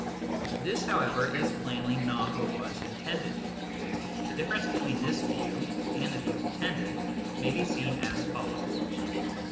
This, however, is plainly not what was intended. The difference between this view and the view intended may be seen as follows.